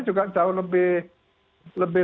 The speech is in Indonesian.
juga jauh lebih lebih